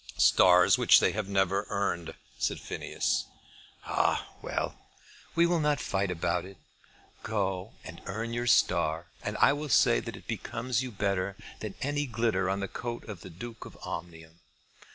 "Stars which they have never earned," said Phineas. "Ah; well; we will not fight about it. Go and earn your star, and I will say that it becomes you better than any glitter on the coat of the Duke of Omnium."